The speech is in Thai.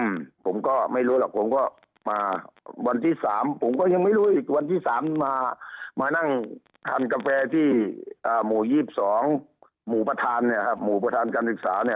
อืมผมก็ไม่รู้หรอกผมก็มาวันที่สามผมก็ยังไม่รู้อีกวันที่สามมามานั่งทานกาแฟที่อ่าหมู่ยี่สิบสองหมู่ประธานเนี่ยครับหมู่ประธานการศึกษาเนี่ย